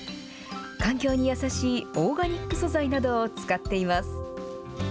環境に優しいオーガニック素材などを使っています。